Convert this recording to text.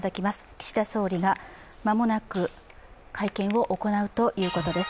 岸田総理が間もなく会見を行うということです。